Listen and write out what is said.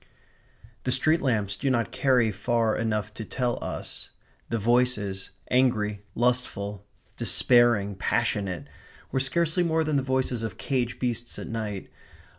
The street lamps do not carry far enough to tell us. The voices, angry, lustful, despairing, passionate, were scarcely more than the voices of caged beasts at night.